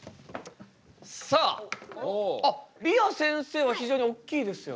さああっりあせんせいは非常におっきいですよね。